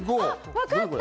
わかった！